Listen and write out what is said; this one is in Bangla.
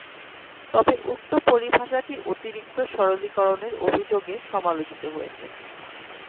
তবে উক্ত পরিভাষাটি অতিরিক্ত-সরলীকরণের অভিযোগে সমালোচিত হয়েছে।